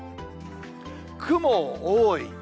雲多い。